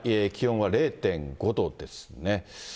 気温は０．５度ですね。